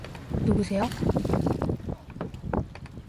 누구세요?